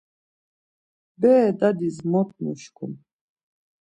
Bere dadis mot nuşkum.